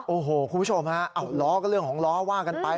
โอ้โหคุณผู้ชมฮะล้อก็เรื่องของล้อว่ากันไป